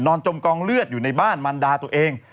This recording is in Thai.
จมกองเลือดอยู่ในบ้านมันดาตัวเอง